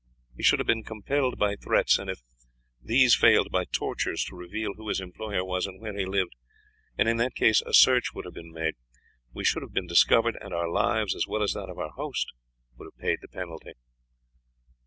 He would have been compelled by threats, and if these failed by tortures, to reveal who his employer was and where he lived, and in that case a search would have been made, we should have been discovered, and our lives as well as that of our host would have paid the penalty."